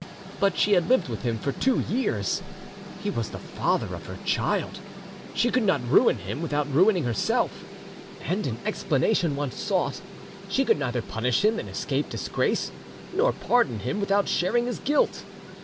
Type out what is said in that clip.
But she had lived with him for two years, he was the father of her child, she could not ruin him without ruining herself, and, an explanation once sought, she could neither punish him and escape disgrace, nor pardon him without sharing his guilt.